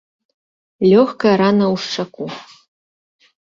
Лёгкая рана ў шчаку.